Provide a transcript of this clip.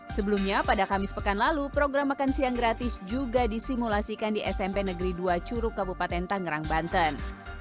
sebelumnya pada kamis pekan lalu program makan siang gratis juga disimulasikan di smp negeri dua curug kabupaten tangerang banten